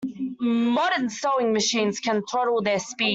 Modern sewing machines can throttle their speed.